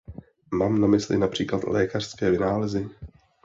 Mám na mysli například lékařské vynálezy.